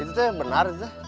itu tuh yang benar itu tuh